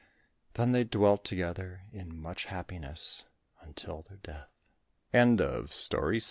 Then they dwelt together in much happiness until their death. 7 The Good B